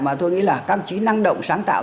mà tôi nghĩ là các đồng chí năng động sáng tạo